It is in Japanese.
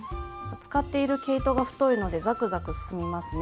使っている毛糸が太いのでザクザク進みますね。